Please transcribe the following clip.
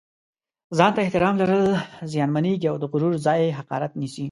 ځان ته احترام لرل زیانمېږي او د غرور ځای حقارت نیسي.